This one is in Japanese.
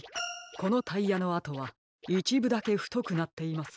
このタイヤのあとはいちぶだけふとくなっています。